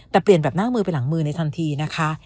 แต่เปลี่ยนแบบหน้ามือไปหลังมือในทันทีนะคะ